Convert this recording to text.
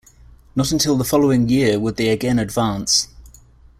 Not until the following year would they again advance.